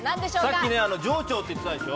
さっき上長って言ってたでしょ。